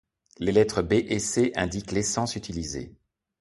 Les lettres B et C indiquent l'essence utilisée.